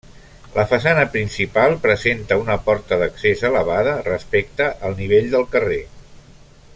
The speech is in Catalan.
La façana principal presenta una porta d'accés elevada respecte al nivell del carrer.